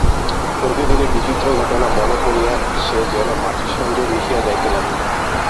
প্রতিদিনের বিচিত্র ঘটনা মনে পড়িয়া সে যেন মাটির সঙ্গে মিশিয়া যাইতে লাগিল।